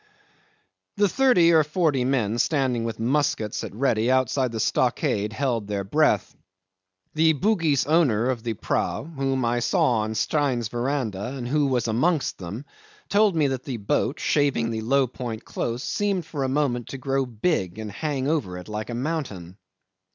'The thirty or forty men standing with muskets at ready outside the stockade held their breath. The Bugis owner of the prau, whom I saw on Stein's verandah, and who was amongst them, told me that the boat, shaving the low point close, seemed for a moment to grow big and hang over it like a mountain.